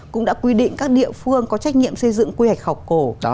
cũng đã quy định các địa phương có trách nhiệm xây dựng quy hoạch khảo cổ